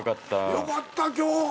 よかった今日。